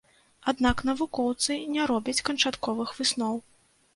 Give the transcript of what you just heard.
Аднак навукоўцы не робяць канчатковых высноў.